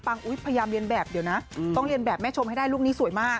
พยายามเรียนแบบเดี๋ยวนะต้องเรียนแบบแม่ชมให้ได้ลูกนี้สวยมาก